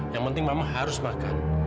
yang penting memang harus makan